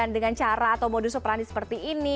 dengan cara atau modus operandi seperti ini